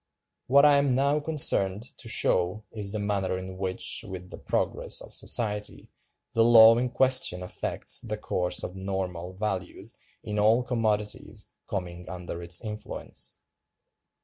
What I am now concerned to show is the manner in which, with the progress of society, the law in question affects the course of normal(297) values in all commodities coming under its influence.